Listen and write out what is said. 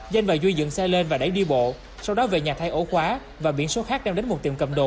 danh và duy dựng xe lên và đẩy đi bộ sau đó về nhà thay ổ khóa và biển số khác đem đến một tiệm cầm đồ